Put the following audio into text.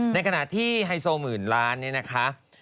ในขณะที่ไฮโซหมื่นล้านเนี่ยนะคะ